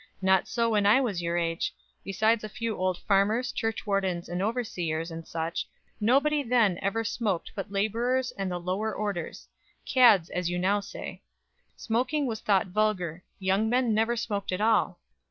Not so when I was of your age. Besides a few old farmers, churchwardens, and overseers, and such, nobody then ever smoked but labourers and the lower orders cads as you now say. Smoking was thought vulgar. Young men never smoked at all.